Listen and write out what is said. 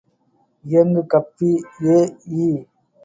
இயங்கு கப்பி எ.இ.